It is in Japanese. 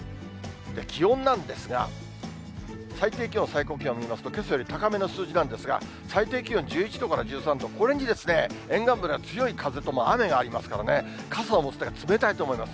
気温なんですが、最低気温、最高気温見ますと、けさより高めの数字なんですが、最低気温１１度から１３度、これに、沿岸部では強い風と雨がありますからね、傘を持つ手が冷たいと思います。